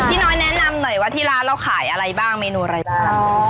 น้อยแนะนำหน่อยว่าที่ร้านเราขายอะไรบ้างเมนูอะไรบ้าง